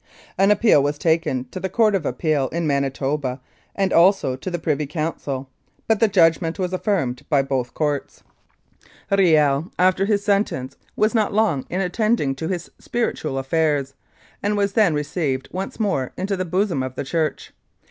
An appeal was taken to the Court of Appeal in Manitoba and also to the Privy Council, but the judgment was affirmed by both courts. 226 Louis Kiel : Executed for Treason Riel, after his sentence, was not long in attending to his spiritual affairs, and was then received once more into the bosom of the Church.